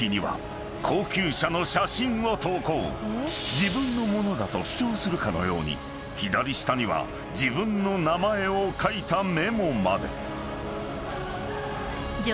［自分のものだと主張するかのように左下には自分の名前を書いたメモまで］